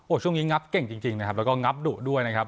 ช่วงนี้งับเก่งจริงนะครับแล้วก็งับดุด้วยนะครับ